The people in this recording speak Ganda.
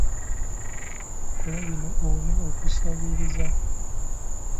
Kola bino owone okusabiriza.